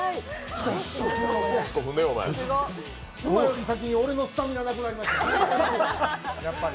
馬より先に俺のスタミナなくなりましたよ、やっぱり。